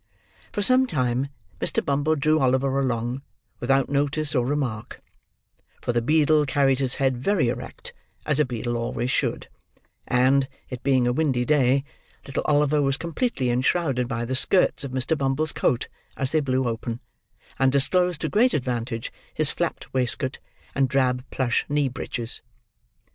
For some time, Mr. Bumble drew Oliver along, without notice or remark; for the beadle carried his head very erect, as a beadle always should: and, it being a windy day, little Oliver was completely enshrouded by the skirts of Mr. Bumble's coat as they blew open, and disclosed to great advantage his flapped waistcoat and drab plush knee breeches.